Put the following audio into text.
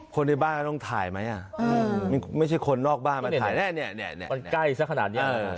คนในบ้านก็ต้องถ่ายไหมไม่ใช่คนนอกบ้านมันเก็บเพื่อนแขวด